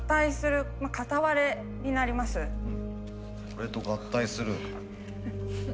これと合体する。